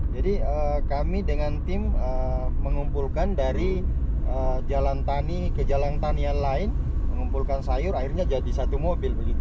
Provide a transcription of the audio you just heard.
kami dengan tim mengumpulkan dari jalan tani ke jalan tani yang lain mengumpulkan sayur akhirnya jadi satu mobil